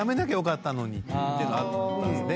ていうのあったんですね。